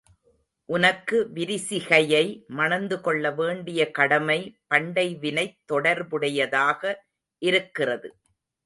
உனக்கு விரிசிகையை மணந்துகொள்ளவேண்டிய கடமை பண்டை வினைத் தொடர்புடையதாக இருக்கிறது.